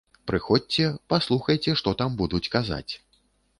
Прыходзьце, паслухайце, што там будуць казаць.